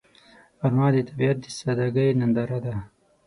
غرمه د طبیعت د سادګۍ ننداره ده